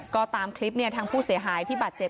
ก็ตามคลิปทางผู้เสียหายที่บาดเจ็บ